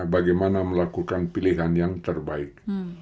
bagaimana melakukan pilihan yang terbaik